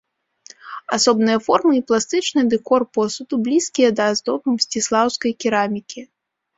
Асобныя формы і пластычны дэкор посуду блізкія да аздоб мсціслаўскай керамікі.